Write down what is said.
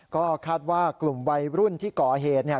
ก็คาดว่ากลุ่มวัยรุ่นที่ก่อเหตุเนี่ย